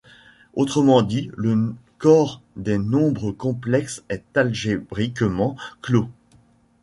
Autrement dit, le corps des nombres complexes est algébriquement clos.